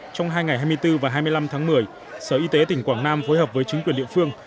trong hai ngày hai mươi bốn và hai mươi năm tháng một mươi sở y tế tỉnh quảng nam phối hợp với chính quyền địa phương